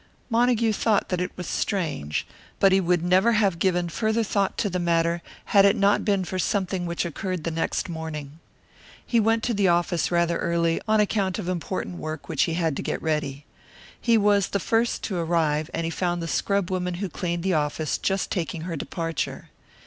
Montague thought that it was strange, but he would never have given further thought to the matter, had it not been for something which occurred the next morning. He went to the office rather early, on account of important work which he had to get ready. He was the first to arrive, and he found the scrub woman who cleaned the office just taking her departure.